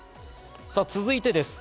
続いてです。